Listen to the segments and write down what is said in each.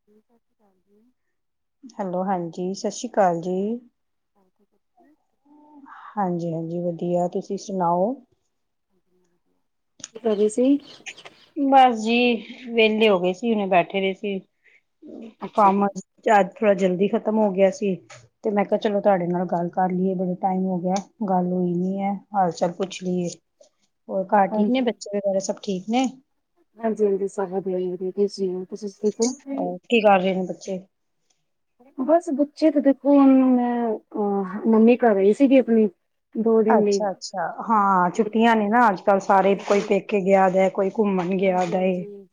[inaudible] Hello ਹਾਂਜੀ ਸਤਿ ਸ਼੍ਰੀ ਅਕਾਲ ਜੀ। [inaudible] ਹਾਂਜੀ-ਹਾਂਜੀ, ਵਧੀਆ ਤੁਸੀਂ ਸੁਣਾਓ ਕੀ ਕਰ ਰਹੇ ਸੀ। ਬਸ ਜੀ, ਵੇਲੇ ਹੋ ਗਏ ਸੀ, ਹੁਨ ਬੈਠੇ ਦੇ ਸੀ, ਅੱਛਾ ਕੰਮ ਜੀ। ਆ ਤੇ ਅੱਜ ਥੋੜ੍ਹਾ ਜਲਦੀ ਖ਼ਤਮ ਹੋ ਗਿਆ ਸੀ। ਤੇ ਮੈਂ ਕਿਹਾ ਚਲੋ ਤੁਹਾਡੇ ਨਾਲ ਗੱਲ ਕਰ ਲੀਏ ਬੜਾ ਟਾਈਮ ਹੋ ਗਿਆ, ਗੱਲ ਹੋਈ ਨੀ ਐ, ਹਾਲ-ਚਾਲ ਪੁੱਛ ਲੀਏ। ਔਰ ਘਰ ਠੀਕ ਨੇ, ਹਾਂਜੀ, ਬੱਚੇ ਵਗੈਰਾ ਸਭ ਠੀਕ ਨੇ? ਹਾਂਜੀ- ਹਾਂਜੀ ਸਾਰੇ ਵਧੀਆ ਜੀ ਵਧੀਆ, ਤੁਸੀਂ ਦਸੋ, ਤੁਸੀਂ ਠੀਕ ਓ? ਹੋਰ ਕੀ ਕਰ ਰੇ ਨੇ ਬੱਚੇ? ਬਸ ਬੱਚੇ ਤੇ ਦੇਖੋ ਹੁਨ ਮੈਂ ਅਹ ਮਮੀਂ ਘਰੇ ਈ ਸੀਗੀ ਅਪਨੀ। ਅੱਛਾ-ਅੱਛਾ, ਹਾਂ ਛੁੱਟੀਆਂ ਨੇ ਨਾ ਅੱਜ ਕੱਲ੍ਹ। ਸਾਰੇ, ਕੋਈ ਹਾਂਜੀ, ਪੇਕੇ ਗਿਆ ਦੈ ਕੋਈ ਘੁੰਮਨ ਗਿਆ ਹਾਂਜੀ, ਦਾ ਏ ਹਾਂਜੀ।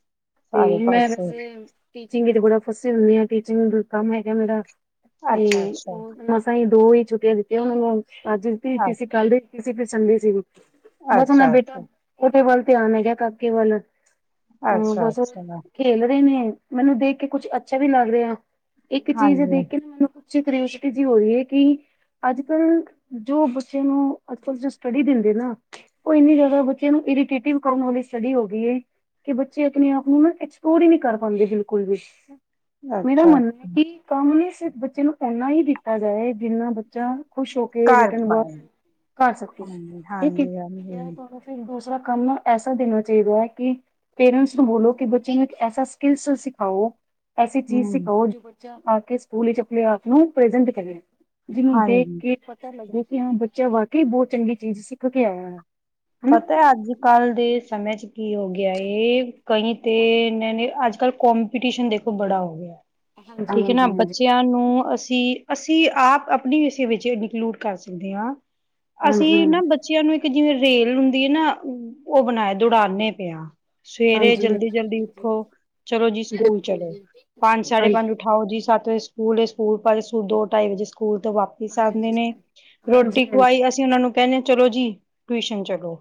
ਤੇ ਸਾਰੇ ਮੈਂ ਪਾਸੇ। ਵੈਸੇ ਟੀਚਿੰਗ ਚ ਬੜਾ ਫਸੀ ਹੁੰਨੀਂ ਆ, ਟੀਚਿੰਗ ਹੀ ਕੰਮ ਹੈਗਾ ਮੇਰਾ। ਤੇ ਅੱਛਾ ਅੱਛਾ ਮਸਾਂ ਹੀ ਦੋ ਹੀ ਛੁੱਟੀਆਂ ਦਿੱਤੀਆਂ ਉਹਨਾਂ ਨੂੰ, ਅੱਜ ਦਿੱਤੀ ਸੀ ਕੱਲ ਦੀ। [unintelligible] ਸੀ, ਬਸ ਨਾ ਅੱਛਾ ਅੱਛਾ ਬੇਟਾ ਉਹਦੇ ਵੱਲ ਧਿਆਨ ਨੀਂ ਗਿਆ ਕਾਕੇ ਵੱਲ। ਅ ਅੱਛਾ, ਬਸ ਅੱਛਾ, ਚਲੋ। ਖੇਲ ਰਏ ਨੇ ਮੈਨੂੰ ਦੇਖ ਕੇ ਕੁਛ ਅੱਛਾ ਵੀ ਲੱਗ ਰਿਆ ਇੱਕ ਚੀਜ਼ ਹਾਂਜੀ ਦੇਖ ਕੇ ਨਾ ਮੈਨੂੰ ਕੁ ਸ਼ਤਰੇਸ਼ ਜੀਜੀ ਹੋ ਰੀ ਐ ਕਿ। ਅੱਜ-ਕੱਲ ਜੋ ਬੱਚੇ ਨੂੰ ਅੱਜ-ਕੱਲ ਜੋ ਸਟੱਡੀ ਦਿੰਦੇ ਨਾ ਓ ਇੰਨੀ ਜੈਦਾ ਬੱਚਿਆਂ ਨੂੰ ਇਰੀਟੇਟਿਵ ਕੰਮ ਵਾਲੀ ਸੀ। ਸ਼ਡੀ ਹੋ ਗਈ ਏ ਕਿ ਬੱਚੇ ਆਪਣੇ ਆਪ ਨੂੰ ਨਾ ਐਕਸਪਲੋਰ ਈ ਨੲ ਕਰ ਪਾਂਦੇ ਬਿਲਕੁਲ ਵੀ। ਮੇਰਾ ਅੱਛਾ ਮੰਨਣਾ ਐ। ਕਿ ਕੰਮ ਹੀ ਬੱਚੇ ਨੂੰ ਇਨਾ ਹੀ ਦਿੱਤਾ ਜਾਏ ਜਿਹੜਾ ਬੱਚਾ ਖੁਸ਼ ਹੋ ਕੇ ਘਰ ਰਿਟਰਨ ਵ ਪਾਏ ਕਰ ਸਕੇ ਹਾਂਜੀ [unintelligible] ਹਾਂਜੀ ਹਾਂਜੀ ਫਿਰ ਦੂਸਰਾ ਕੰਮ ਐਸਾ ਚਾਹੀਦਾ ਕਿ ਪੇਰੈਂਟਸ ਨੂੰ ਬੋਲੋ ਕਿ ਬੱਚੇ ਨੂੰ ਇੱਕ ਐਸਾ ਸਕਿਲਸ ਸਿਖਾਓ ਐਸੀ ਚੀਜ਼ ਹਮ ਸਿਖਾਓ ਜੋ ਬੱਚਾ ਆ ਕੇ ਸਕੂਲ ਵਿਚ ਆਪਣੇ ਆਪ ਨੂੰ ਪ੍ਰਜੈਂਟ ਕਰੇ ਜਿਹਨੂੰ ਦੇਖ ਹਾਂਜੀ ਕੇ ਪਤਾ ਲੱਗੇ ਕਿ ਹਾਂ ਬੱਚਾ ਵਾਕਈ ਬਹੁਤ ਚੰਗੀ ਚੀਜ਼ ਸਿੱਖ ਕੇ ਆਇਆ ਆ। ਪਤਾ, ਅੱਜ-ਕੱਲ ਦੇ ਸਮੇਂ 'ਚ ਕੀ ਹੋ ਗਿਆ ਏ ਕਈ ਤੇ ਇੰਨੇ ਨੇ, ਅੱਜ-ਕੱਲ੍ਹ ਕਪੀਟੀਸ਼ਨ ਦੇਖੋ ਬੜਾ ਹੋ ਗਿਆ। ਹਾਂਜੀ ਹਾਂਜੀ ਹਾਂਜੀ ਠੀਕ ਏ ਨਾ, ਹਾਂਜੀ ਬੱਚਿਆਂ ਨੂੰ ਅਸੀਂ ਅਸੀਂ ਆਪ ਅਪਣੀ ਵਿਸ਼ੇ ਵਿੱਚ ਇਨਕਲੂਡ ਕਰ ਸਕਦੇ ਆਂ, ਅਸੀਂ ਨਾ ਬੱਚ ਬੱਚਿਆਂ ਨੂੰ ਇੱਕ ਜਿਵੇਂ ਰੇਲ ਹੁੰਦੀ ਏ ਨਾ, ਉਹ ਬਣਾਏ। ਦੋੜਾਂਦੇ ਪਏ ਆਂ। ਸਵੇਰੇ ਹਾਂਜੀ ਹਾਂਜੀ ਜਲਦੀ-ਜਲਦੀ ਹਾਂਜੀ ਉੱਠੋ। ਚਲੋ ਜੀ, ਸਕੂਲ ਬਿਲਕੁਲ ਚਲੋ। ਜੀ ਪੰਜ ਸਾਢੇ ਹਾਂਜੀ ਪੰਜ ਉਠਾਓ ਜੀ, ਸੱਤ ਵਜੇ ਸਕੂ ਸਕੂਲ ਏ ਸਕੂਲ [unintelligible] ਦੋ ਢਾਈ ਵਜੇ ਸਕੂਲ ਤੋਂ ਵਾਪਿਸ ਹਾਂਜੀ ਆਂਦੇ ਨੇ, ਹਾਂਜੀ ਰੋਟੀ ਹਾਂਜੀ ਹਾਂਜੀ ਹਾਂਜੀ ਹਾਂਜੀ ਹਾਂਜੀ ਖ਼ਵਾਈ ਅਸੀਂ ਓਨਾਂ ਨੂੰ ਕਹਿੰਦੇ ਚਲੋ ਜੀ ਟਿਊਸ਼ਨ ਚਲੋ,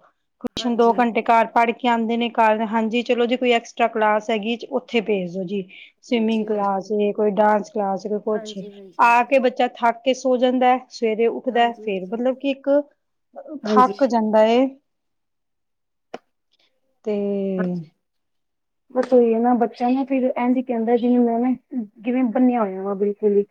ਟਿਊਸ਼ਨ ਦੋ ਹਾਂਜੀ ਘੰਟੇ ਘਰ ਪੜ੍ਹ ਕੇ ਕਹਿੰਦੇ ਨੇ ਘਰ, ਹਾਂਜੀ ਚਲੋ ਜੇ ਕੋਈ ਐਕਸਟ੍ਰਾ ਕਲਾਸ ਹੈਗੀ, ਉੱਥੇ ਭੇਜ ਦੋ ਜੀ। ਸਵੀਮਿੰਗ ਕਲਾਸ ਵੇ, ਕੋਈ ਡਾਂਸ ਕਲਾਸ ਵੇ, ਕੁਛ, ਹਾਂਜੀ ਹਾਂਜੀ ਆ ਕੇ ਹਾਂਜੀ ਬੱਚਾ ਥੱਕ ਕੇ ਸੋ ਜਾਂਦੈ। ਸਵੇਰੇ ਉੱਠਦੈ, ਹਾਂਜੀ ਫੇਰ ਮਤਲਬ ਕਿ ਇੱਕ ਉਥਾ ਹਾਂਜੀ [unintelligible] ਬਾ ਏ, ਤੇ ਬਸ ਏਹੀ ਏ ਨਾ, ਬੱਚਿਆ ਨੂੰ ਨਾ ਫਿਰ ਇਂਜ ਈ ਕਹਿੰਦੈ, ਜਿਹਨੂੰ ਐਵੇਂ ਜਿਵੇਂ ਬੰਨਿਆ ਹੋਇਆ ਵਾ ਬਿਲਕੁਲ ਹੀ।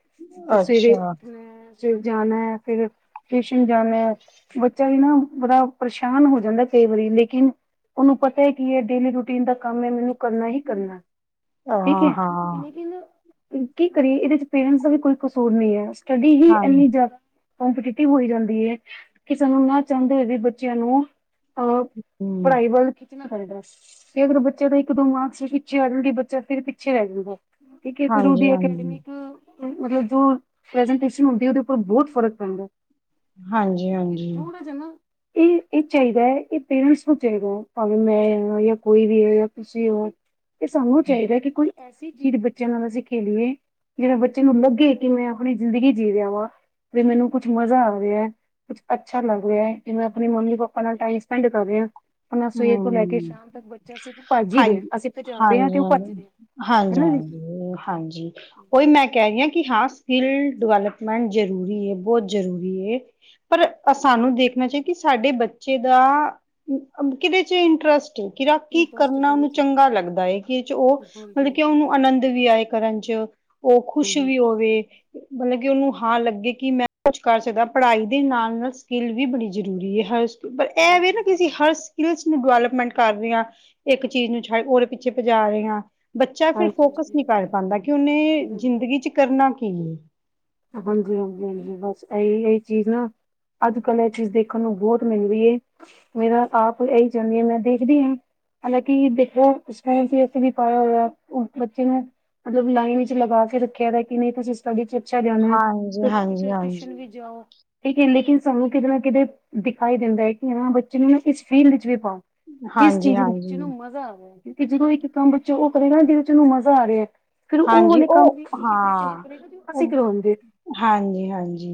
ਸਵੇਰੇ ਅੱਛਾ ਉੱਠਨਾ, ਸਵੇ ਜਾਨਾ ਐ, ਫਿਰ ਟਉਸ਼ਨ ਜਾਣਾ ਐ। ਬੱਚਾ ਵੀ ਨਾ ਬੜਾ ਪਰੇਸ਼ਾਨ ਹੋ ਜਾਂਦਾ ਕਈ ਵਾਰੀ ਲੇਕਿਨ ਉਨੂੰ ਪ ਤੇ ਕੀ ਏ ਡੇਲੀ ਰੂਟੀਨ ਦਾ ਕੰਮ ਐ ਮੈਨੂੰ ਕਰਨਾ ਈ ਕਰਨਾ ਠੀਕ ਐ ਹਾਂ, ਹਾਂ, ਲੇਕਿਨ ਕੀ ਕਰੀਏ ਇਹਦੇ ਚ ਪੇਰੈਂਟਸ ਦਾ ਵੀ ਕੋਈ ਕਸੂਰ ਨਹੀਂ ਹੈ ਸਟੱਡੀ ਹੀ ਹਾਂ, ਇਨੀ ਕੌਂਪੀਟਿਟੀ ਹੋਈ ਜਾਂਦੀ ਏ, ਕਿ ਸਾਨੂੰ ਨਾ ਚਾਹੁੰਦੇ ਹੋਏ ਵੀ ਬੱਚਿਆਂ ਨੂੰ ਅ, ਹੂੰ, ਪੜ੍ਹਾਈ ਵੱਲ ਕਰਦਾ, ਅਗਰ ਬੱਚੇ ਦਾ ਇੱਕ-ਦੋ ਮਾਰਕਸ ਵੀ ਪਿੱਛੇ ਆ ਜਾਣਗੇ, ਬੱਚਾ ਫਿਰ ਪਿੱਛੇ ਰਹਿ ਜਾਂਦਾ। ਠੀਕ ਹੈ ਫਰੂਦੀ ਹਾਂਜੀ-ਹਾਂਜੀ, ਅਕੈਡਮੀ ਚ ਮਤਲਬ ਜੋ ਪ੍ਰੈਜੇਂਟੇਸ਼ਨ ਹੁੰਦੀ ਏ, ਉਹਦੇ ਉੱਪਰ ਬਹੁਤ ਫ਼ਰਕ ਪੈਂਦਾ। ਈ ਹਾਂਜੀ-ਹਾਂਜੀ, ਥੋੜਾ ਜਾ ਨਾ, ਇਹ ਚਾਹੀਦਾ ਏ, ਇਹ ਪੇਰੈਂਟਸ ਨੂੰ ਚਾਹੀਦਾ। ਭਾਵੇਂ ਮੈਂ ਆਂ ਜਾਂ ਕੋਈ ਵੀ ਹੈ ਜਾਂ ਤੁਸੀਂ ਹੋ ਇਹ ਸਾਨੂੰ ਚਾਹੀਦਾ ਕਿ ਐਸੀ ਚੀਜ਼ ਬੱਚਿਆਂ ਨਾਲ ਅਸੀਂ ਖੇਲੀਏ, ਜਿਸ ਨਾਲ ਬੱਚਿਆਂ ਨੂੰ ਲੱਗੇ ਕਿ ਮੈਂ ਆਪਣੀ ਜ਼ਿੰਦਗੀ ਜੀ ਰਿਹਾ ਹਾਂ। ਤੇ ਮੈਨੂੰ ਕੁੱਝ ਮਜ਼ਾ ਆ ਰਿਹਾ। ਕੁਝ ਅੱਛਾ ਲੱਗ ਰਿਹਾ ਜਿਵੇਂ ਆਪਣੀ ਮੰਮੀ ਪਾਪਾ ਨਾਲ ਟਾਈਮ ਸਪੈਂਡ ਕਰ ਰਿਹਾ। ਆਪਣਾ ਸਵੇਰ ਤੋਂ ਲੈ ਕੇ ਹੂੰ। ਸ਼ਾਮ ਤੱਕ ਅਸੀਂ ਭੱਜ ਹੀ ਰਹੇ ਹਾਂਜੀ, ਆ ਅਸੀਂ ਭਜਾ ਰੇ ਆ ਹਾਂਜੀ, ਤੇ ਉਹ ਭੱਜ ਹਾਂਜੀ, ਰਹੇ ਹਾਂਜੀ, ਹਣਾ ਜੀ ਹਾਂਜੀ, ਹਾਂਜੀ, ਉਹੀ ਮੈਂ ਕਹਿ ਰਹੀ ਹਾਂ ਕਿ ਹਾਂ ਸਕਿੱਲ ਡਿਵੈਲਪਮੈਂਟ ਜ਼ਰੂਰੀ ਐ ਬਹੁਤ ਜ਼ਰੂਰੀ ਐ। ਪਰ ਸਾਨੂੰ ਦੇਖਣਾ ਚਾਹੀਦਾ ਕਿ ਸਾਡੇ ਬੱਚੇ ਦਾ ਕਿਹਦੇ ਚ ਇੰਟਰਸਟ ਕਿਹੜਾ ਕੀ ਇੰਟਰਸਟ ਕਰਨਾ ਕਿਹਦੇ ਉਹਨੂੰ ਚ ਹੈ? ਚੰਗਾ ਲੱਗਦਾ ਐ ਕਿਦੇ ਚ ਉਹ ਹਾਂਜੀ ਮਤਲਬ ਕਿ ਹਾਂਜੀ ਉਹਨੂੰ ਅਨੰਦ ਵੀ ਆਏ ਕਰਨ ਚ ਉਹ ਖੁਸ਼ ਵੀ ਹੋਵੇ। ਮਤਲਬ ਕਿ ਉਹਨੂੰ ਹਾਂ ਲੱਗੇ ਕਿ ਮੈਂ ਕੁਝ ਕਰ ਸਕਦਾ ਪੜ੍ਹਾਈ ਦੇ ਨਾਲ ਨਾਲ ਸਕਿੱਲ ਵੀ ਬੜੀ ਜ਼ਰੂਰੀ ਆ। ਪਰ ਇਹ ਵੇ ਨਾ ਕਿਸੀ ਹਰ ਸਕਿਲ ਨੂੰ ਡਿਵੈਲਪਮੈਂਟ ਕਰ ਰਹੇ ਹਾਂ ਇੱਕ ਚੀਜ਼ ਨੂੰ ਛੱਡ ਉਹਦੇ ਪਿੱਛੇ ਭਜਾ ਰਹੇ ਹਾਂ। ਬੱਚਾ ਫਿਰ ਹਾਂਜੀ ਫੋਕਸ ਨਹੀਂ ਕਰ ਹਾਂਜੀ ਪਾਂਦਾ ਕਿ ਉਹਨੇ ਜ਼ਿੰਦਗੀ ਬਿਲਕੁਲ ਵਿੱਚ ਕਰਨਾ ਕੀ ਐ। ਹਾਂਜੀ- ਹਾਂਜੀ -ਹਾਂਜੀ ਬਸ ਇਹੀ- ਇਹੀ ਚੀਜ਼ ਨਾ ਅੱਜ ਕੱਲ ਇਹ ਚੀਜ਼ ਦੇਖਣ ਨੂੰ ਬਹੁਤ ਮਿਲਦੀ ਏ ਮੇਰਾ ਆਪ ਇਹੀ ਚਾਹੁੰਦੀ ਹਾਂ ਮੈਂ ਦੇਖਦੀ ਹਾਂ ਹਲਾ ਕਿ ਦੇਖੋ ਉਸੇ ਵੀ ਏਸੇ ਪਾਇਆ ਹੋਇਆ ਬੱਚੇ ਨੇ ਮਤਲਬ ਲਾਈਨ ਵਿੱਚ ਲਗਾਕੇ ਰੱਖਿਆਦਾ ਕਿ ਨਹੀਂ ਤੁਸੀਂ ਸਟ‌੍ਡੀ'ਚ ਛ ਜਾਨਾ, ਹਾਂਜੀ, ਤੁਸ ਹਾਂਜੀ, ਤੁਸੀਂ ਟਿਊਸ਼ਨ ਹਾਂਜੀ। ਵੀ ਜਾਓ। ਠੀਕ ਹੈ, ਲੇਕਿਨ ਸਾਨੂੰ ਕਿਤੇ ਨਾ ਕਿਤੇ ਦਿਖਾਈ ਦਿੰਦਾ ਹੈ ਕਿ ਹਾਂ, ਬੱਚੇ ਨੂੰ ਨਾ ਇਸ ਫੀਲਡ ਵਿੱਚ ਵੀ ਪਾਵਾਂ। ਜਿਸ ਹਾਂਜੀ, ਚੀਜ਼ ਨੂੰ, ਵਿੱਚ ਨੂੰ ਹਾਂਜੀ, ਮਜ਼ਾ ਆਵੇ ਕਿਉਂਕਿ ਜਦੋਂ ਇੱਕ ਕੰਮ ਬੱਚੇ ਉਹ ਕਰੇਗਾ ਜਿਹਦੇ ਵਿੱਚ ਉਹਨੂੰ ਮਜ਼ਾ ਆ ਰਿਹਾ ਹੈ ਫਿਰ ਉਹ ਹਾਂਜੀ ਹੁਣੇ ਕੰਮ ਉਹ ਹਾਂ ਅਸੀਂ ਉਹ ਕਰਵਾਉਂਦੇ ਹਾਂਜੀ -ਹਾਂਜੀ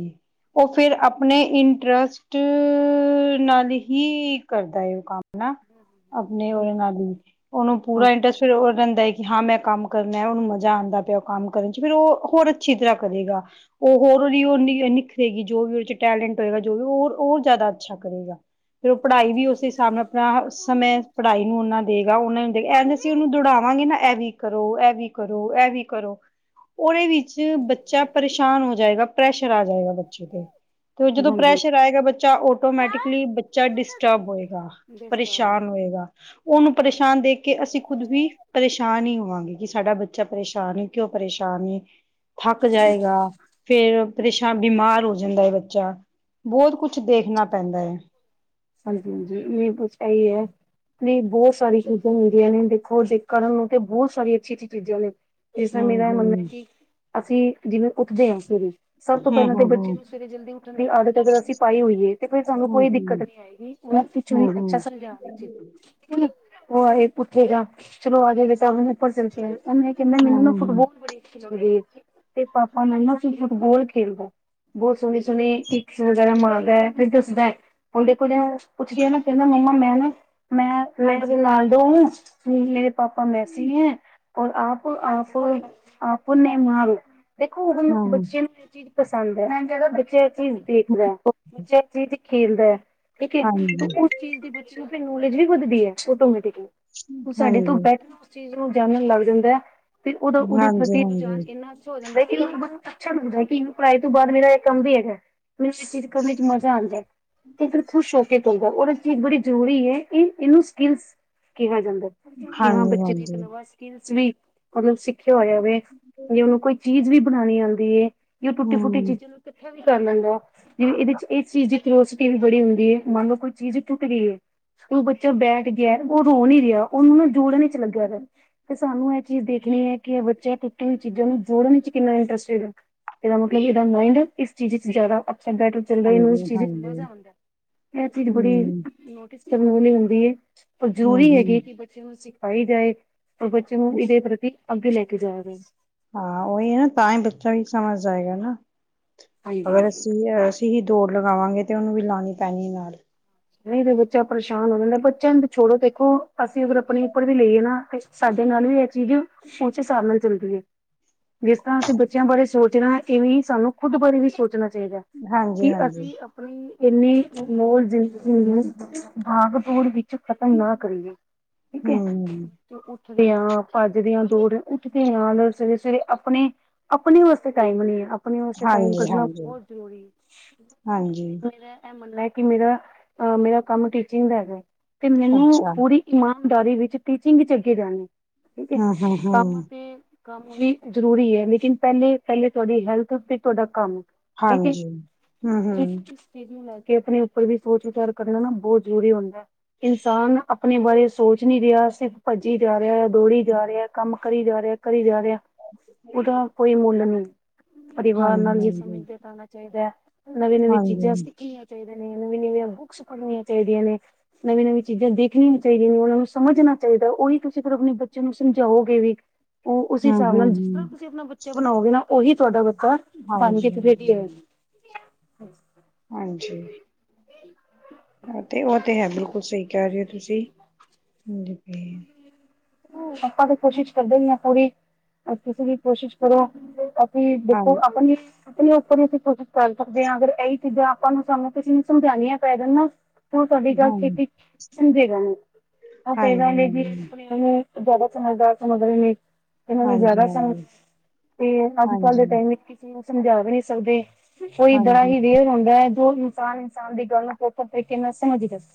ਉਹ ਫਿਰ ਆਪਣੇ ਇੰਟਰਸਟ ਨਾਲ ਹੀ ਕਰਦਾ ਹੈ ਉਹ ਕੰਮ ਹਨਾ, ਆਪਣੇ ਉਹਦੇ ਨਾਲ ਹੀ, ਉਹਨੂੰ ਹਾਂ ਪੂਰਾ ਇੰਟਰਸਟ ਫਿਰ ਉਹ ਦਿੰਦਾ ਹੈ ਕਿ ਹਾਂ ਮੈਂ ਕੰਮ ਕਰਨਾ ਹੁਣ ਮ ਜਾਂ ਆਉਂਦਾ ਪਾਇਆ ਉਹ ਕੰਮ ਕਰਨ 'ਚ ਫਿਰ ਉਹ ਹੋਰ ਅੱਛੀ ਤਰ੍ਹਾਂ ਕਰੇਗਾ ਉਹ ਹੋਰ ਉਹ ਉਹ ਨਿੱਖਰੇ ਜੋ ਵੀ ਉਹਦੇ ਚ ਟੈਲੈਂਟ ਹੋਏਗਾ ਜੋ ਵੀ ਹੋਰ ਜਿਆਦਾ ਅੱਛਾ ਕਰੇਗਾ ਫਿਰ ਉਹ ਪੜ੍ਹਾਈ ਵੀ ਉਸ ਹਿਸਾਬ ਨਾਲ ਆਪਣਾ ਸਮੇਂ ਪੜ੍ਹਾਈ ਨੂੰ ਉਹਨਾਂ ਦੇਏਗਾ ਉਹਨਾਂ ਨੂੰ ਦੇ ਐਂ ਅਸੀਂ ਜੇ ਉਹਨੂੰ ਦੋੜਾਵਾਂਗੇ ਨਾ ਐ ਵੀ ਕਰੋ, ਐ ਵੀ ਕਰੋ, ਐ ਵੀ ਕਰੋ ਉਹਦੇ ਵਿੱਚ ਬੱਚਾ ਪ੍ਰੇਸ਼ਾਨ ਹੋ ਜਾਏਗਾ, ਪਰੈਸ਼ਰ ਆ ਜਾਏਗਾ ਬ ਜਦੋਂ ਪ੍ਰੈਸ਼ਰ ਹਾਂਜੀ। ਆਏਗਾ ਬੱਚਾ ਆਟੋਮੈਟਿਕਲੀ ਬੱਚਾ ਡਿਸਟਰਬ ਹੋਏਗਾ ਬੇਸਤ ਆਪ ਪਰੇਸ਼ਾਨ ਹੋਏਗਾ ਉਹਨੂੰ ਪਰੇਸ਼ਾਨ ਦੇਖ ਕੇ ਅਸੀਂ ਖੁਦ ਵੀ ਪਰੇਸ਼ਾਨ ਹੀ ਹੋਵਾਂਗੇ ਕਿ ਸਾਡਾ ਬੱਚਾ ਕਿਉਂ ਪਰੇਸ਼ਾਨ ਏ, ਕਿਉਂ ਪਰੇਸ਼ਾਨ ਏ ਥੱਕ ਜਾਏਗਾ, ਫਿਰ ਪਰੇਸ਼ਾਨ ਬਿਮਾਰ ਹੋ ਜਾਂਦਾ ਹੈ ਬੱਚਾ ਬਹੁਤ ਕੁੱਝ ਦੇਖਣਾ ਪੈਂਦਾ ਹੈ ਹਾਂਜੀ- ਹਾਂਜੀ, ਬਿਲਕੁਲ ਸਹੀ ਹੈ ਨਹੀਂ ਬਹੁਤ ਸਾਰੀ ਚੀਜ਼ਾਂ ਮਿਲ ਦੀਆ ਨੇ ਦੇਖੋ ਜੇ ਕਰਨ ਨੂੰ ਤਾਂ ਬਹੁਤ ਸਾਰੀ ਅੱਛੀ- ਅੱਛੀ ਚੀਜ਼ਾਂ ਨੇ ਇਸ ਤਰ੍ਹਾਂ ਹਮ ਮੇਰਾ ਮੰਨਣਾ ਹੈ ਹਮ ਕਿ ਅਸੀਂ ਜਿਵੇਂ ਉਠਦੇ ਹਾਂ ਸਵੇਰੇ ਸਭ ਤੋਂ ਪਹਿਲਾਂ ਤਾਂ ਹਮ ਬੱਚੇ ਹਮ ਨੂੰ ਸਵੇਰੇ ਜਲਦੀ ਉਠਣ ਦੀ ਆਦਤ ਅਗਰ ਅਸੀਂ ਪਾਈ ਹੋਈ ਏ ਤੇ ਫਿਰ ਸਾਨੂੰ ਕੋਈ ਦਿੱਕਤ ਹਮ ਨਹੀਂ ਉਹ ਪਿਛੋ ਹਮ ਅੱਛਾ ਹਮ ਸਮਝਾਉਣ ਵਿਚ ਉਹ ਆਏ ਪੁੱਠੇਗਾ, ਚਲੋ ਆਜੋਦੇ ਵਿੱਚ ਭ ਉਹਨੇ ਕਹਿੰਦਾ ਹਮ ਮੈਨੂੰ ਨਾ ਹਮ ਫੁੱਟਬਾਲ ਬੜੀ ਅੱਛੀ ਲਗਦੀ ਏ ਤੇ ਪਾਪਾ ਨੂੰ ਕਹਿੰਦਾ ਵੀ ਫੁੱਟਬਾਲ ਖੇਲੋ ਬਹੁਤ ਸੋਹਣੇ -ਸੋਹਣੇ ਇਕ ਸੁਝਾਅ ਮਾਰਦਾ ਹੈ, ਫਿਰ ਦੱਸਦਾ ਹੈ। ਹੁਣ ਦੇਖੋ ਜੇ ਪੁੱਛਦੀ ਹਾਂ ਨਾ ਕਹਿੰਦਾ ਮੰਮਾ ਮੈਂ ਨੀ ਮੈਂ ਰੋਨਾਲਡੋ ਹੁ ਮੇਰੇ ਪਾਪਾ ਮੈਸੀ ਹੈ ਔਰ ਆਪ, ਆਪ ਆਪਨੇ ਮਾਰੋ ਦੇਖੋ ਹੁਣ ਹਮ ਬੱਚੇ ਨੂੰ ਇਹ ਚੀਜ਼ ਪਸੰਦ ਹੈ ਬੱਚੇ ਇਹ ਚੀਜ਼ ਦੇਖਦਾਂ ਹਮ ਬੱਚੇ ਇਹ ਚੀਜ਼ ਖੇਲਦਾ ਹੈ ਕਿਉਂਕਿ ਹਾਂਜੀ ਉਸ ਚੀਜ਼ ਦੀ ਬੱਚੇ ਨੂੰ ਫਿਰ ਨੌਲੇਜ ਵੀ ਵੱਧਦੀ ਹੈ ਆਟੋਮੈਟਿਕਲੀ ਉਹ ਸਾਡੇ ਤੋਂ ਹਾਂਜੀ ਬੈਠ ਚੀਜ਼ ਨੂੰ ਜਾਨਨ ਲੱਗ ਜਾਂਦਾ ਹੈ ਤੇ ਉਹਦਾ ਉਹਦੇ ਪ੍ਰਤੀ ਹਾਂਜੀ-ਹਾਂਜੀ, ਵਿਚਾਰ ਇੰਨਾ ਹੋ ਜਾਂਦਾ ਕਿ ਬ ਅੱਛਾ ਮਿਲਦਾ ਹੈ ਕਿ ਪੜਾਈ ਤੋਂ ਬਾਦ ਮੇਰਾ ਇਹ ਕੰਮ ਵੀ ਹੈਗਾ ਉਸ ਚੀਜ਼ ਕਰਨ ਚ ਮਜ਼ਾ ਆਉਂਦਾ ਇਧਰ ਖੁਸ਼ ਹੋ ਕੇ ਪਾਉਦਾ ਇਹ ਚੀਜ਼ ਬੜੀ ਜ਼ਰੂਰੀ ਹੈ ਇਹਨੂੰ ਸਕੀਲਸ ਕਿਹਾ ਜਾਂਦਾ ਕਿ ਹਾਂ ਬੱਚੇ ਨੇ ਇੱਕ ਹਾਂਜੀ-ਹਾਂਜੀ, ਨਵਾਂ [unintelligible] ਸਕਿਲਸ ਵੀ, ਮਤਲਬ ਸਿੱਖਿਆ ਹੋਇਆ ਹੋਵੇ ਜੇ ਉਹਨੂੰ ਕੋਈ ਚੀਜ਼ ਵੀ ਬਣਾਉਣੀ ਆਉਂਦੀ ਹੈ ਵੀ ਉਹ ਟੁੱਟੀ ਫੁੱਟੀ ਹੂੰ, ਚੀਜ਼ਾਂ ਨੂੰ ਕਿੱਥੇ ਵੀ ਕਰ ਲੈਂਦਾ ਵ ਜਿਵੇ ਇਹਦੇ 'ਚ ਇਸ ਚੀਜ਼ ਦੀ ਥ ਪੀੜ ਬੜੀ ਹੁੰਦੀ ਹੈ ਮੰਨ ਲਉ ਕੋਈ ਚੀਜ਼ ਟੁਟ ਗਈ ਹੈ ਤੇ ਉਹ ਬੱਚਾ ਬੈਠ ਗਿਆ ਉਹ ਰੋ ਨੀ ਰਿਹਾ ਉਹਨੂੰ ਨਾ ਜੋੜਨ ਚ ਲੱਗਿਆ ਵਾ ਤੇ ਸਾਨੂੰ ਇਹ ਚੀਜ਼ ਦੇਖਣੀ ਹੈ ਕਿ ਬੱਚੇ ਟੁਟੀ ਹੋਈ ਚੀਜ਼ਾਂ ਨੂੰ ਜੋੜਨ ਵਿਚ ਕਿੰਨਾ ਇੰਟਰਸਟਿਡ ਹੈ ਇਹਦਾ ਮਤਲਬ ਇਹਦਾ ਮਾਇੰਡ ਇਸ ਚੀਜ਼ ਜਿਆਦਾ ਅਬਸੈਟ [unintelligible] ਚੱਲ ਰਿਨੂੰ ਚੀਜ਼ ਹਾਂਜੀ-ਹਾਂਜੀ, ਇਹ ਚੀਜ਼ ਬੜੀ ਹੂੰ, ਨੋਟਿਸ ਕਰਨ ਵਾਲੀ ਹੁੰਦੀ ਹੈ ਪਰ ਜਰੂਰੀ ਹੂੰ-ਹੂੰ, ਹੈਗੀ ਕਿ ਬੱਚੇ ਨੂੰ ਸਿਖਾਈ ਜਾਏ ਤੇ ਬੱਚੇ ਨੂੰ ਇਹਦੇ ਪ੍ਰਤੀ ਅੱਗੇ ਲੈ ਕੇ ਜਾਇਆ ਜਾਏ ਹਾਂ ਉਹੀ ਹੈ ਨਾ ਤਾਂ ਹੀ ਬੱਚਾ ਵੀ ਸਮਝ ਆਏਗਾ ਨਾ, ਹਾਂਜੀ ਅਗਰ ਅਸੀਂ ਅ ਅਸੀਂ ਹੀ ਦੋੜ ਲਗਾਵਾਂਗੇ ਤੇ ਉਹਨੂੰ ਵੀ ਲਾਉਣੀ ਪੈਣੀ ਨਾਲ ਨਹੀਂ ਤੇ ਬੱਚਾ ਪਰੇਸ਼ਾਨ ਹੋ ਜਾਂਦਾ ਬੱਚੇ ਨੂੰ ਛੋੜੋ ਦੇਖੋ ਅਸੀਂ ਅਗਰ ਆਪਣੇ ਉਪਰ ਵੀ ਲਈਏ ਨਾ ਤੇ ਸਾਡੇ ਨਾਲ ਵੀ ਇਹ ਚੀਜ਼ਾ ਉਸੇ ਹਿਸਾਬ ਨਾਲ ਚੱਲਦੀ ਹੈ ਜਿਸ ਤਰ੍ਹਾਂ ਅਸੀਂ ਬੱਚਿਆਂ ਬਾਰੇ ਸੋਚਣੇ ਹਾਂ ਇਹ ਵੇਂ ਸਾਨੂੰ ਖੁਦ ਬਾਰੇ ਵੀ ਸੋਚਣਾ ਚਾਹੀਦਾ ਹੈ ਕਿ ਹਾਂਜੀ-ਹਾਂਜੀ, ਅਸੀਂ ਆਪਣੀ ਇਹਨੀਂ ਅਨਮੋਲ ਜ਼ਿੰਦਗੀ ਭਆਗਦੋੜ ਵਿੱਚ ਖ਼ਤਮ ਨਾ ਕਰੀਏ ਠੀਕ ਹੂੰ ਹੈ ਤੇ ਉੱਠਦੇ ਹਾਂ ਭੱਜਦੇ ਹਾਂ ਦੋਰ ਉੱਠਦੇ ਹਾਂ ਸਵੇਰੇ ਸਵੇਰੇ ਆਪਣੇ ਆਪਣੇ ਵਾਸਤੇ ਟਾਈਮ ਨਹੀਂ ਹੈ ਆਪਣੇ ਵਾਸਤੇ ਟਾਈਮ ਹਾਂਜੀ-ਹਾਂਜੀ, ਕੱਢਣਾ ਹਾਂਜੀ, ਬਹੁਤ ਜ਼ਰੂਰੀ ਹੈ ਹਾਂਜੀ ਹਾਂਜੀ ਮੇਰਾ ਇਹ ਮੰਨਣਾ ਹੈ ਕਿ ਮੇਰਾ ਅ ਮੇਰਾ ਕੰਮ ਟੀਚਿੰਗ ਦਾ ਹੈਗਾ ਤੇ ਮੈਨੂੰ ਅੱਛਾ, ਪੂਰੀ ਇਮਾਨਦਾਰੀ ਵਿੱਚ ਟੀਚਿੰਗ ਚ ਅੱਗੇ ਜਾਣੇ ਠੀਕ ਹੈ ਕੰਮ ਹੂੰ-ਹੂੰ-ਹੂੰ, ਤੇ ਕੰਮ ਵੀ ਜ਼ਰੂਰੀ ਹੈ ਲੇਕਿਨ ਪਹਿਲੇ ਪਹਿਲੇ ਤੁਹਾਡੀ ਹੈਲਥ ਤੇ ਤੁਹਾਡਾ ਕੰਮ ਹੈਕੇ ਹਾਂਜੀ, ਹੂੰ-ਹੂੰ, ਚੀਜ਼ ਨੂੰ ਲੈ ਕੇ ਆਪਣੇ ਉੱਪਰ ਵੀ ਸੋਚ ਕਰਨਾ ਨਾ ਬਹੁਤ ਜ਼ਰੂਰੀ ਹੁੰਦਾ ਹੈ ਇਨਸਾਨ ਆਪਣੇ ਬਾਰੇ ਸੋਚ ਨਹੀਂ ਰਿਹਾ ਸਿਰਫ ਭੱਜੀ ਜਾ ਰਿਹਾ ਦੌੜੀ ਜਾ ਰਿਹਾ ਕੰਮ ਕਰੀ ਜਾ ਰਿਹਾ ਕਰੀ ਜਾ ਰਿਹਾ ਉਹਦਾ ਕੋਈ ਮੁੱਲ ਨਹੀਂ ਪਰਿਵਾਰ ਨਾਲ ਹੀ ਹਾਂਜੀ-ਹਾਂਜੀ, ਸਮਝ ਤਾਂ ਆਉਣਾ ਚਾਹੀਦਾ ਹੈ ਨਵੀ ਨਵੀਂ ਹਾਂਜੀ, ਚੀਜ਼ਾਂ ਸਿੱਖ ਨਵੀਂ ਨਵੀਆਂ ਬੁੱਕਸ ਪੜ੍ਹਨੀਆਂ ਚਾਹੀਦੀਆਂ ਨੇ ਨਵੀਂ ਨਵੀਂ ਚੀਜ਼ਾਂ ਦੇਖਣੀਆਂ ਚਾਹੀਦੀਆਂ ਨੇ ਉਹਨਾਂ ਨੂੰ ਸਮਝਣਾ ਚਾਹੀਦਾ ਉਓਹੀ ਤੁਸੀਂ ਆਪਣੇ ਬੱਚੇ ਨੂੰ ਸਮਝਾਓਗੇ ਵੀ ਉਹ ਉਸ ਹਿਸਾਬ ਨਾਲ ਜਿਸ ਤਰ੍ਹਾਂ ਹੂੰ-ਹੂੰ-ਹੂੰ, ਤੁਸੀਂ ਆਪਣਾ ਬੱਚਾ ਬਣਾਓਗੇ ਨਾ ਉਹੀ ਤੁਹਾਡਾ ਬੱਚਾ ਬਣ ਕੇ ਤੇ ਫੇਟ ਆ ਹਾਂਜੀ-ਹਾਂਜੀ, ਹਾਂਜੀ ਹ ਹਾਂ ਤੇ ਉਹ ਤੇ ਹੈ ਬਿਲਕੁਲ ਸਹੀ ਕਹਿ ਰਹੇ ਹੋ ਤੁਸੀਂ ਆਪਾਂ ਤਾਂ ਕੋਸ਼ਿਸ਼ ਕਰਦੇ ਹੀ ਹ ਪੂਰੀ ਤੁਸੀਂ ਵੀ ਕੋਸ਼ਿਸ਼ ਕਰੋ ਕਿ ਦੇਖੋ ਹਾਂਜੀ ਆਪ ਉੱਪਰ ਹੀ ਅਸੀਂ ਕੋਸ਼ਿਸ਼ ਕਰ ਸਕਦੇ ਹਾਂ ਅਗਰ ਇਹੀ ਚੀਜ਼ਾਂ ਆਪਾਂ ਨੂੰ ਸਾਨੂੰ ਕਿਸੇ ਨੂੰ ਸਮਝਉਣੀਆਂ ਪੈ ਜਾਣ ਨਾ ਤਾਂ ਸਾਡੀ ਗੱਲ ਹਾਂਜੀ, ਸੇ਼ਤੀ ਸਮਝੇਗਾ ਆਪ ਕ ਇਹ ਹਾਂਜੀ, ਗੱਲ ਜੀ ਹਾਂਜੀ, ਆਪ ਇਹਨੂੰ ਜ਼ਿਆਦਾ ਸਮਝਦਾਰ ਸਮਗਰੀ ਨੇ ਇਹਨਾਂ ਨੂੰ ਹਾਂਜੀ, ਜ਼ਿਆਦਾ ਹਾਂਜੀ, ਸਮਝ ਤੇ ਅੱਜ ਕੱਲ ਦੇ ਹਾਂਜੀ, ਟਾਈਮ ਕਿਸੇ ਨੂੰ ਸਮਝਾ ਵੀ ਨੀ ਸਕਦੇ ਕੋਈ ਇਦਰ ਹਾਂਜੀ, ਹੀ ਕਲੀਅਰ ਹੁੰਦਾ ਹੈ ਜੋ ਇਨਸਾਨ ਇਨਸਾਨ ਦੀ ਗੱਲ ਫੇਕੇ ਮ ਸਮਝ ਹੀ ਦੱਸ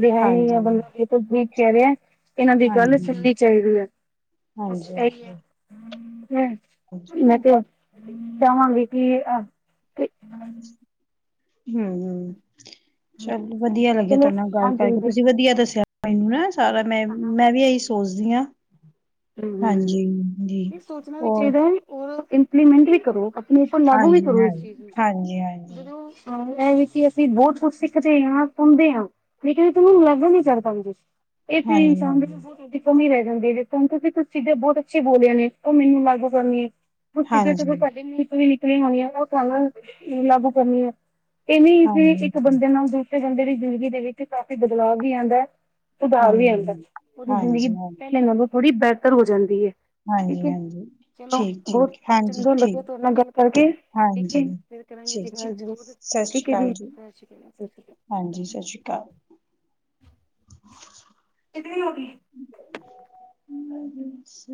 ਦਿਹਾ ਹੀ ਆ ਹਾਂਜੀ, ਬੰ ਇਹ ਗਤ ਕਹਿ ਰਿਹਾ ਇਹਨਾਂ ਦੀ ਗੱਲ ਸੁਣਨੀ ਹਾਂਜੀ, ਚਾਹੀਦੀ ਹੈ ਹਾਂਜੀ, ਇਹੀ ਹੈ ਹਾਂਜੀ, ਮੈਂ ਹਾਂਜੀ। ਤੇ ਚਵਾਂਗੀ ਕਿ ਹਮ ਹਮ ਚੱਲ ਵਧੀਆ ਲੱਗਿਆ ਚਲੋ ਤੁਹਾਡੇ ਨਾਲ ਗੱਲ ਕਰਕੇ ਹਾਂਜੀ ਤੁਸੀਂ ਵਧੀਆ ਦੱਸਿਆ ਮੈਨੂੰ ਨਾ ਸਾਰਾ ਮੈਂ ਹਮ ਮੈਂ ਵੀ ਇਹੀ ਸੋਚਦੀ ਹਾਂ ਹਮ ਹਾਂਜੀ ਜ ਹੋਰ ਇਪਲੀਮੈਂਟ ਵੀ ਕਰੋ ਆਪਣੇ ਉਪਰ ਲਾਗੂ ਵੀ ਹਾਂਜੀ, ਕਰੋ ਇਸ ਹਾਂਜੀ, ਚੀ ਹਾਂਜੀ, ਹਾਂਜੀ, ਨੂੰਦ ਹਾਂ ਇਹ ਵੀ ਕਿ ਅਸੀਂ ਬਹੁਤ ਕੁਛ ਸਿੱਖਦੇ ਹਾਂ ਘੁੰਮਦੇ ਹਾਂ ਲੇਕਿਨ ਤ ਲੱਗ ਨੀ ਚੜਦਾਦੀ ਇਹਥੇ ਹਾਂਜੀ, ਚਦੇ ਹਾਂਜੀ। ਹੀ ਰਹਿ ਜਾਂਦੀ ਹੈ ਜਿਸ ਤੁਸੀਂਛ ਚੀਜ਼ਾਂ ਬਹੁਤ ਅੱਛੀਆਂ ਬੋਲੀਆਂ ਨੇ ਉਹ ਮੈਨੂੰ ਲਾਗੂ ਕਰਨੀਏ ਕੁਛ ਚੀਜ਼ਾਂ ਹਾਂਜੀ, ਹਾਂਜੀ, ਸਾਡੇ ਮੂੰਹ ਚੋਂ ਹੀ ਨਿਕਲੀਆਂ ਹੁੰਦੀਆਂ ਨੇ ਉਹ ਲਾਗੂ ਕਰਨੀਆਂ ਹੁੰਦੀਆਂ ਨੇ ਇਵੇ ਸੀ ਇੱਕ ਹਾਂਜੀ, ਬੰਦੇ ਨਾਲ ਦੂਸਰੇ ਬੰਦੇ ਦੀ ਜ਼ਿੰਦਗੀ ਦੇ ਵਿੱਚ ਕਾਫ਼ੀ ਬਦਲਾਵ ਵੀ ਆਉਂਦਾ ਸੁਧਾਰ ਵੀ ਆਉਂਦਾ ਹਾਂਜੀ, ਉਹਦੀ ਜ਼ਿੰਦਗੀ ਹਾਂਜੀ, ਪਹਿਲੇ ਨਾਲੋਂ ਥੋੜ੍ਹੀ ਬਿਹਤਰ ਹੋ ਜਾਂਦੀ ਹੈ ਠੀਕ ਹਾਂਜੀ, ਹੈ ਹਾਂਜੀ। ਚਲੋ ਠੀਕ, ਬਹੁਤ ਠੀਕ, ਹਾਂਜੀ, ਚੰਗਾ ਠੀਕ। ਲੱਗਿਆ ਤੁਹਾਡੇ ਨਾਲ ਗੱਲ ਕਰਕੇ ਠੀਕ ਹੈ ਹਾਂਜੀ, ਫਿਰ ਕਰਾਂਗੇ ਜੀ ਗੱਲ ਜ਼ੂਰ ਠੀਕ ਹੈ ਜੀ ਸਤ ਸ਼ ਸਤ ਸ਼੍ਰੀ ਕ [unintelligible] ਕਿਧ ਵੀ ਹੋ ਗਈ ਅੱਛਾ